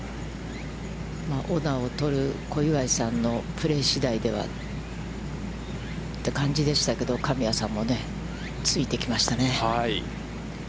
オナーをとる小祝さんのプレー次第ではという感じでしたけど、神谷さんもついてきましたね。